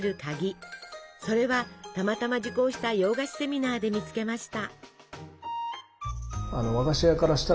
それはたまたま受講した洋菓子セミナーで見つけました。